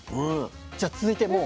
じゃあ続いてもう。